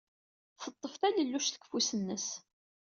Teḍḍef talelluct deg ufus-nnes.